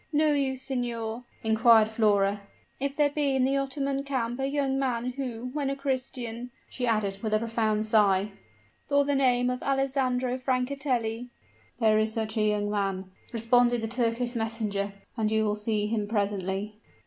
"Know you, signor," inquired Flora, "if there be in the Ottoman camp a young man who, when a Christian," she added, with a profound sigh, "bore the name of Alessandro Francatelli?" "There is such a young man," responded the Turkish messenger; "and you will see him presently."